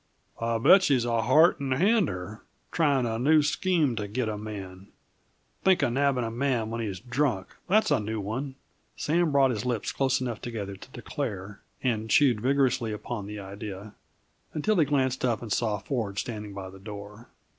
"I'll bet she's a Heart and Hander, tryin' a new scheme to git a man. Think uh nabbing a man when he's drunk. That's a new one," Sam brought his lips close enough together to declare, and chewed vigorously upon the idea, until he glanced up and saw Ford standing by the door.